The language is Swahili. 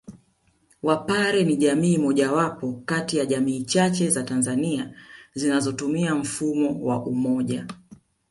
Wapare ni jamii mojawapo kati ya jamii chache za Tanzania zinazotumia mfumo wa Umoja